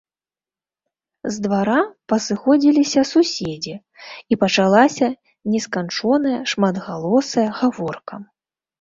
З двара пасыходзіліся суседзі, і пачалася несканчоная шматгалосая гаворка.